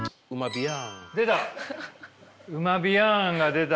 出た！